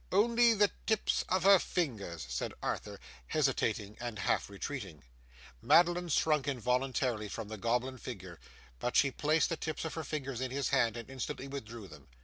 Only the tips of her fingers,' said Arthur, hesitating and half retreating. Madeline shrunk involuntarily from the goblin figure, but she placed the tips of her fingers in his hand and instantly withdrew them.